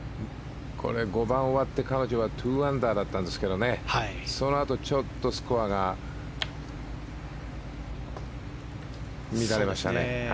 ５番終わって彼女は２アンダーだったんですがそのあと、ちょっとスコアが乱れましたね。